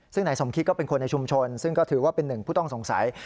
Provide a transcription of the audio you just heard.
ซึ่งนายสมคิดก็เป็นคนในชุมชนซึ่งก็ถือว่าเป็นหนึ่งผู้ต้องสงสัย